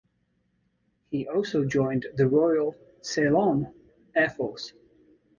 He also joined the Royal (Ceylon) Air Force.